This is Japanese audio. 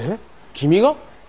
君が？